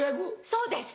そうです。